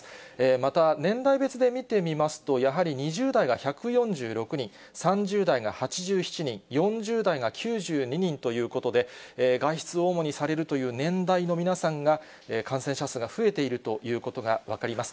また、年代別で見てみますと、やはり２０代が１４６人、３０代が８７人、４０代が９２人ということで、外出を主にされるという年代の皆さんが、感染者数が増えているということが分かります。